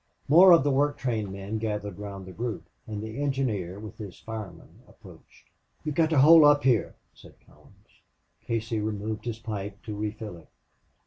More of the work train men gathered round the group, and the engineer with his fireman approached. "You've got to hold up here," said Collins. Casey removed his pipe to refill it.